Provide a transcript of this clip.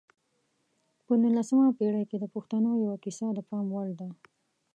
په نولسمه پېړۍ کې د پښتنو یوه کیسه د پام وړ ده.